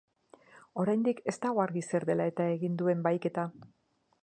Oraindik ez dago argi zer dela eta egin duen bahiketa.